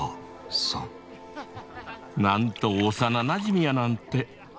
なんと幼馴染やなんて。